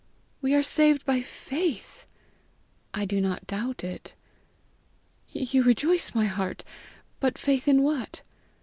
"We are saved by faith." "I do not doubt it." "You rejoice my heart. But faith in what?"